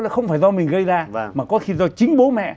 nó không phải do mình gây ra và mà có khi do chính bố mẹ